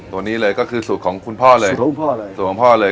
ตัวนี้เลยก็คือสูตรของคุณพ่อเลยสูตรของพ่อเลย